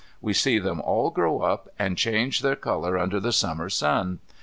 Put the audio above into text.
We see them all grow up and up, and change their colour under the Summer sun.